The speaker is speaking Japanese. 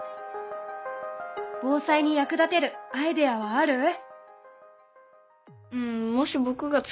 防災に役立てるアイデアはある？